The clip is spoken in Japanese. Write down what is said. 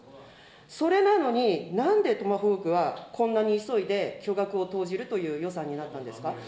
それなのに、なんでトマホークはこんなに急いで巨額を投じるという予算になったんですか。